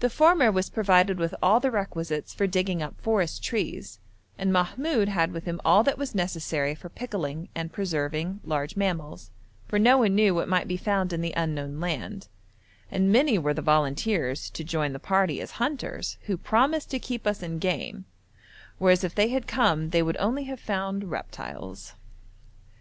The former was provided with all the requisites for digging up forest trees, and Mahmoud had with him all that was necessary for pickling and preserving large mammals, for no one knew what might be found in the unknown land; and many were the volunteers to join the party as hunters, who promised to keep us in game, whereas if they had come they would only have found reptiles.